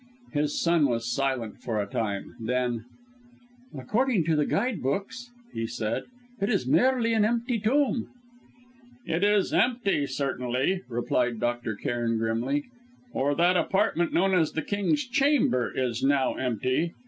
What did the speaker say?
His son was silent for a time; then: "According to the guide books," he said, "it is merely an empty tomb." "It is empty, certainly," replied Dr. Cairn grimly, "or that apartment known as the King's Chamber is now empty.